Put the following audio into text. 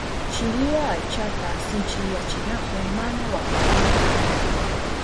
Chiriwa aychata sinchiyachinahun mana waklinanpa.